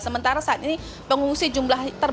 sementara saat ini pengungsi jumlah terbatas